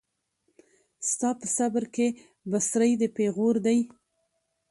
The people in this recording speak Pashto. ستا په صبر کي بڅری د پېغور دی